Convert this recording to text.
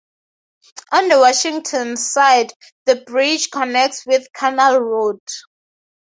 On the Washington side, the bridge connects with Canal Road.